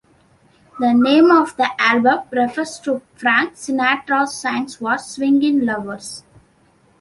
The name of the album refers to Frank Sinatra's Songs For Swingin' Lovers.